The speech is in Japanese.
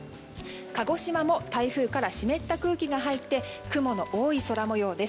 鹿児島も台風から湿った空気が入って雲の多い空模様です。